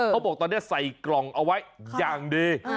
เขาบอกตอนนี้ใส่กล่องเอาไว้อย่างดี